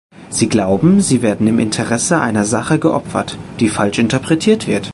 Sie glauben, sie werden im Interesse einer Sache geopfert, die falsch interpretiert wird.